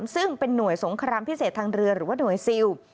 ซึ่งเป็นหน่วยสงครามพิเศษทางเรือหรือว่าหน่วยซิล